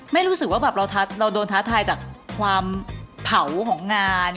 ไม่รู้สึกว่าแบบเราโดนท้าทายจากความเผาของงาน